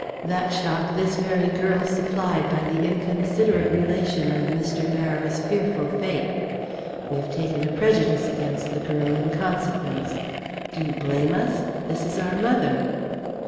That shock this very girl supplied by the inconsiderate relation of Mr. Barrows' fearful fate. We have taken a prejudice against the girl, in consequence. Do you blame us? This is our mother."